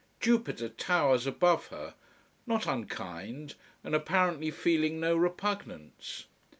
Jupiter towers above her not unkind, and apparently feeling no repugnance.